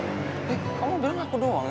ini kamu bilang aku doang